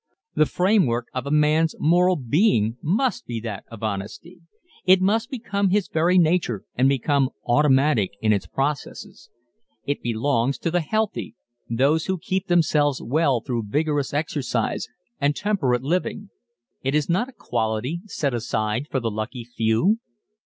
The framework of a man's moral being must be that of honesty. It must become his very nature and become automatic in its processes. It belongs to the healthy, those who keep themselves well through vigorous exercise and temperate living. It is not a quality set aside for the lucky few.